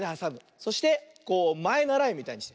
そしてこうまえならえみたいにして。